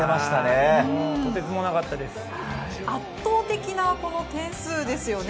圧倒的な点数ですよね。